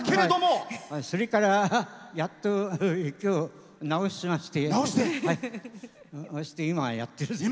それから、やっとこさ直しましてそして今やってる。